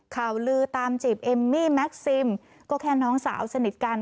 ข่าวลือตามจีบเอมมี่แม็กซิมก็แค่น้องสาวสนิทกัน